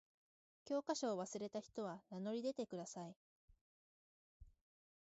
教科書を忘れた人は名乗り出てください。